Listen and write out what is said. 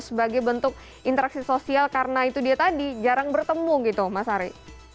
sebagai bentuk interaksi sosial karena itu dia tadi jarang bertemu gitu mas ari